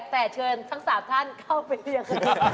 แต่เชิญทั้ง๓ท่านเข้าไปเรียน